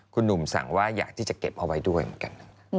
คุณหนุ่มสั่งว่าอยากที่จะเก็บเอาไว้ด้วยเหมือนกัน